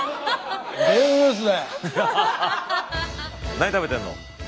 何食べてるの？